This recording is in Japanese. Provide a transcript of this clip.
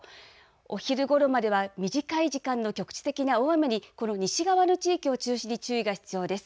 お昼ごろまでは、短い時間の局地的な大雨に、この西側の地域に中心に注意が必要です。